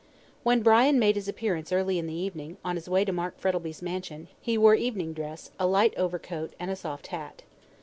When Brian made his appearance early in the evening, on his way to Mark Frettlby's mansion, he wore evening dress, a light overcoat, and a soft hat.